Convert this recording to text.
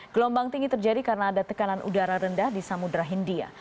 gelombang tinggi terjadi karena ada tekanan udara rendah di samudera hindia